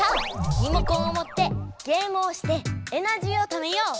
リモコンをもってゲームをしてエナジーをためよう！